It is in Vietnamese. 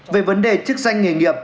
về vấn đề chức danh nghề nghiệp